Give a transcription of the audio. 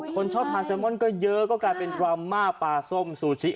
คนชอบทานแซลมอนก็เยอะก็กลายเป็นดราม่าปลาส้มซูชิ